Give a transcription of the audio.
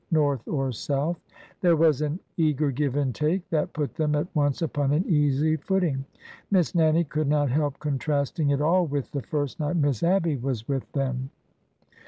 North or South. There was an eager give and take that put them at once upon an easy footing. Miss Nannie could not help contrasting it all with the first night Miss Abby was with them.